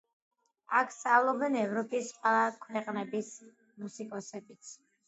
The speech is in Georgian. აქ სწავლობდნენ ევროპის სხვა ქვეყნების მუსიკოსებიც.